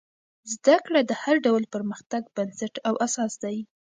زده کړه د هر ډول پرمختګ بنسټ او اساس دی.